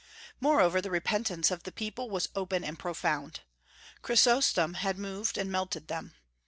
Moreover the repentance of the people was open and profound. Chrysostom had moved and melted them.